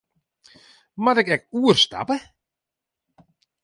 Moat ik ek oerstappe?